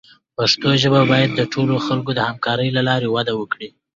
پښتو ژبه باید د ټولو خلکو د همکارۍ له لارې وده وکړي.